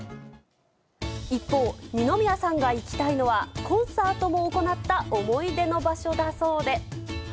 一方、二宮さんが行きたいのはコンサートも行った思い出の場所だそうで。